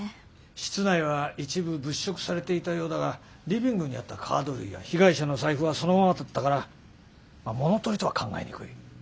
室内は一部物色されていたようだがリビングにあったカード類や被害者の財布はそのままだったから物取りとは考えにくい。